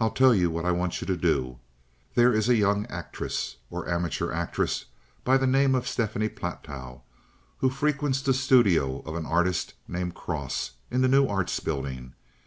"I'll tell you what I want you to do. There is a young actress, or amateur actress, by the name of Stephanie Platow, who frequents the studio of an artist named Cross in the New Arts Building.